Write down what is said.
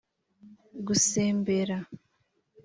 gusembera